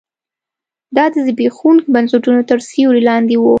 دا د زبېښونکو بنسټونو تر سیوري لاندې و.